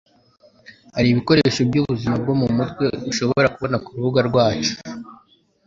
hari ibikoresho byubuzima bwo mumutwe ushobora kubona kurubuga rwacu.